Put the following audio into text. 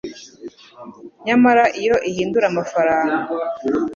Nyamara iyo ihindura amafaranga